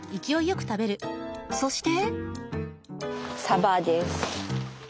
そして。